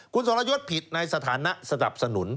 คุณสรยศผิดในสถานะสนับสนุน